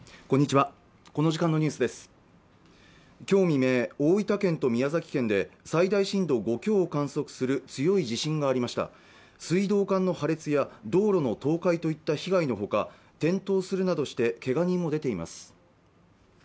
今日未明大分県と宮崎県で最大震度５強を観測する強い地震がありました水道管の破裂や道路の倒壊といった被害のほか転倒するなどしてけが人も出ています